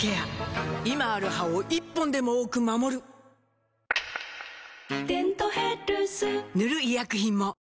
今ある歯を１本でも多く守る「デントヘルス」塗る医薬品も